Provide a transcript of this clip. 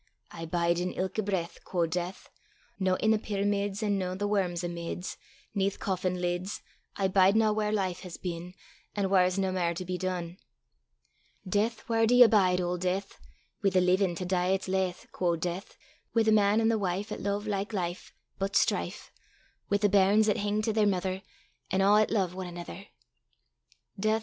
"I bide in ilka breath," Quo' Death. "No i' the pyramids, An' no the worms amids, 'Neth coffin lids; I bidena whaur life has been, An' whaur 's nae mair to be dune." "Death! whaur do ye bide, auld Death?" "Wi' the leevin', to dee 'at's laith," Quo' Death. "Wi' the man an' the wife 'At lo'e like life, But (without) strife; Wi' the bairns 'at hing to their mither, An' a' 'at lo'e ane anither." "Death!